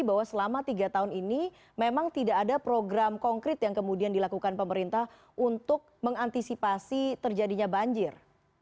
bahwa selama tiga tahun ini memang tidak ada program konkret yang kemudian dilakukan pemerintah untuk mengantisipasi terjadinya banjir